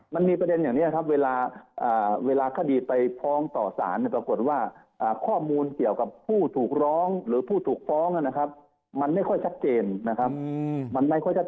มันมีประเด็นอย่างนี้เวลาขดีไปฟ้องต่อสารปรากฏว่าข้อมูลกับผู้ถูกร้องหรือผู้ถูกฟ้องได้มันไม่เข้าใจเกลียด